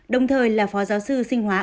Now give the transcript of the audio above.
đồng thời là phó giáo sư sinh hóa